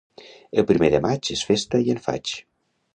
El primer de maig és festa i en faig.